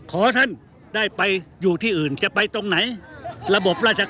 ขอท่านได้ไปอยู่ที่อื่นจะไปตรงไหนระบบราชการ